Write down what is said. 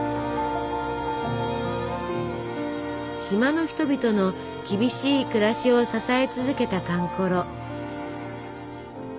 島の人々の厳しい暮らしを支え続けたかんころ。